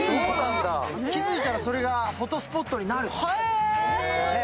気付いたらそれがフォトスポットになるという。